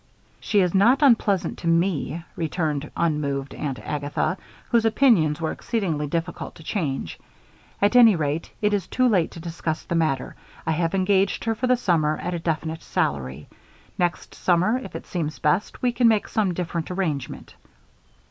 "She is not unpleasant to me," returned unmoved Aunt Agatha, whose opinions were exceedingly difficult to change. "At any rate, it is too late to discuss the matter. I have engaged her for the summer, at a definite salary. Next summer, if it seems best, we can make some different arrangement."